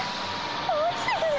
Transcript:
おちてくる⁉